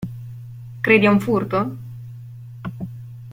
Credi a un furto?